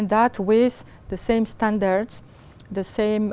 dựa dựa dựa dựa dựa dựa